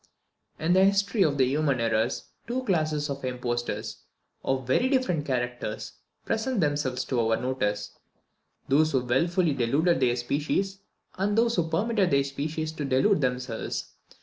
In the history of human errors two classes of impostors, of very different characters, present themselves to our notice those who wilfully deluded their species, and those who permitted their species to delude themselves.